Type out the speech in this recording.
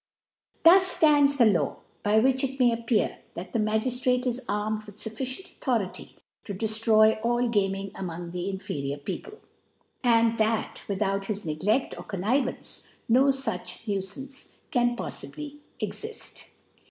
Thus fiands the Law, by which it may appear, that the Magiitrate is armed with fuHkient Authotiiy to deilroy ail Gaming among the inferiour /People ; and that, with ,out his Negleft or Connivance, no fuch Nuifaoce can ppffibly exift.